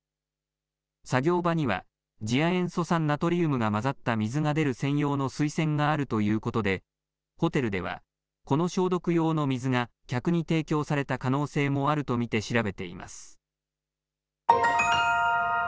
作業場には、次亜塩素酸ナトリウムが混ざった水が出る専用の水栓があるということで、ホテルではこの消毒用の水が客に提供された可能性もあると見て調べています。